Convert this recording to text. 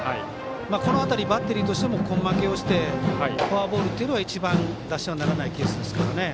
この辺りバッテリーとしても根負けをしてフォアボールというのが一番出してはならないケースです。